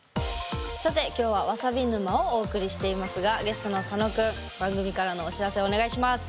さて今日は「わさび沼」をお送りしていますがゲストの佐野くん番組からのお知らせお願いします。